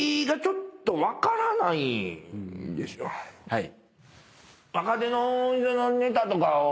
はい。